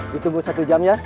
di tunggu satu jam ya